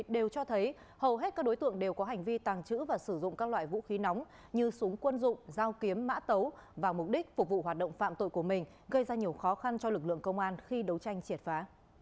đều cho thấy hầu hết các đối tượng đều có hành vi tàng trữ và sử dụng các loại vũ khí nóng như súng quân dụng dao kiếm mã tấu vào mục đích phục vụ hoạt động phạm tội của mình gây ra nhiều khó khăn cho lực lượng công an khi đấu tranh triệt phá